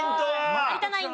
有田ナイン